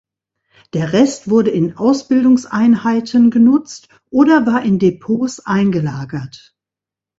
Der Rest wurde in Ausbildungseinheiten genutzt oder war in Depots eingelagert.